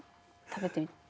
食べてみて。